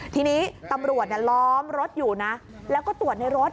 ทีนี้ตำรวจล้อมรถอยู่นะแล้วก็ตรวจในรถ